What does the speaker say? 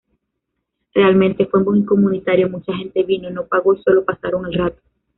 Realmente fue muy comunitario...Mucha gente vino, no pagó y solo pasaron el rato.